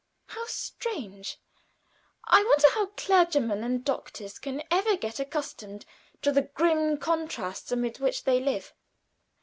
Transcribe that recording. How strange! I wonder how clergymen and doctors can ever get accustomed to the grim contrasts amid which they live!"